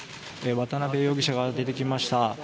渡邉容疑者が出てきました。